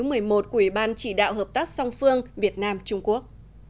ủy ban chỉ đạo hợp tác song phương việt nam trung quốc